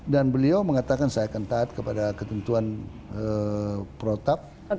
dan beliau mengatakan saya akan taat kepada ketentuan protab